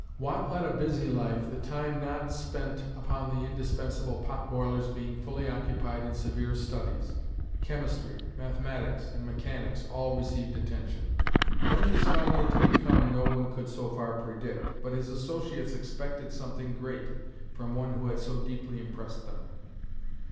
Watt led a busy life, the time not spent upon the indispensable "pot boilers" being fully occupied in severe studies; chemistry, mathematics and mechanics all received attention. What he was finally to become no one could so far predict, but his associates expected something great from one who had so deeply impressed them.